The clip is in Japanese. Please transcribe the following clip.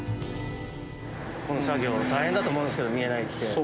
この作業大変だと思うんですけど見えないって。